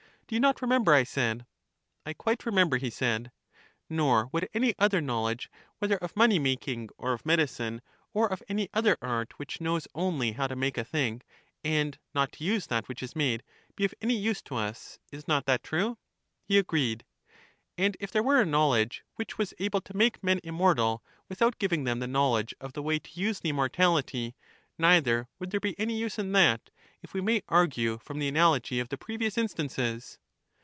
Do you not re member? I said. I quite remember, he said. Nor would any other knowledge, whether of money making, or of medicine, or of any other art which knows only how to make a thing, and not to use that EUTHYDEMUS 247 which is made, be of any use to us. Is not that true? He agreed. And if there were a knowledge which was able to make men immortal, without giving them the knowl edge of the way to use the immortality, neither would there be any use in that, if we may argue from the analogy of the previous instances?